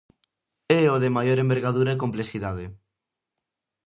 É o de maior envergadura e complexidade.